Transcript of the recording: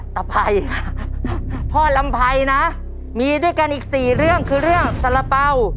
ทรภัยค่ะพ่อลำภัยนะมีด้วยกันอีกสี่เรื่องคือเรื่องสละเป้า